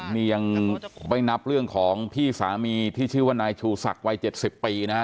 นี่ยังไม่นับเรื่องของพี่สามีที่ชื่อว่านายชูศักดิ์วัย๗๐ปีนะฮะ